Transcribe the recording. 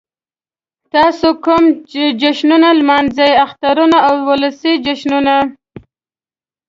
تاسو کوم جشنونه نمانځئ؟ اخترونه او ولسی جشنونه